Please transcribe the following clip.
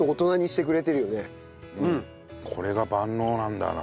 これが万能なんだな。